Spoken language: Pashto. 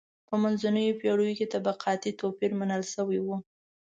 په منځنیو پېړیو کې طبقاتي توپیر منل شوی و.